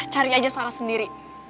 cari aja salah sendiri